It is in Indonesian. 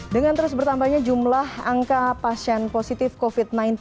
dengan terus bertambahnya jumlah angka pasien positif covid sembilan belas